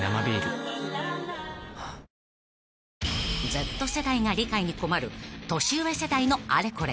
［Ｚ世代が理解に困る年上世代のあれこれ］